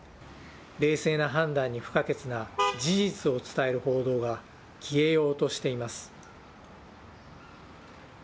冷静な判断に不可欠な事実を伝える報道が、消えようとしています。